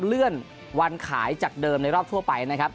เลื่อนวันขายจากเดิมในรอบทั่วไปนะครับ